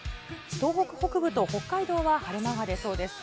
東北北部と北海道は晴れ間が出そうです。